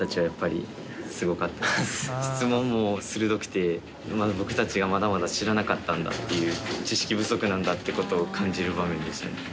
質問も鋭くて僕たちがまだまだ知らなかったんだっていう知識不足なんだっていう事を感じる場面でしたね。